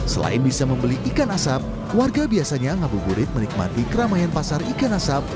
selain bisa membeli ikan asap warga biasanya ngabuburit menikmati keramaian pasar ikan asap